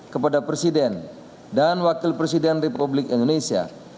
kepada presiden dan wakil presiden republik indonesia